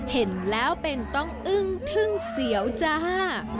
เห็นแล้วเป็นต้องอึ้งทึ่งเสียวจ้า